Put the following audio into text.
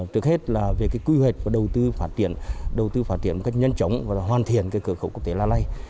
trước hết là về quy hoạch và đầu tư phát triển đầu tư phát triển một cách nhân chống và hoàn thiện cửa khẩu quốc tế lalay